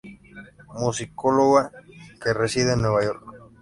Musicóloga que reside en Nueva York.